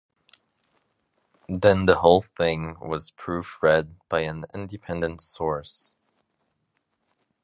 Then the whole thing was proofread by an independent source.